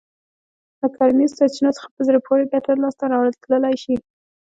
له کرنیزو سرچينو څخه په زړه پورې ګټه لاسته راتلای شي.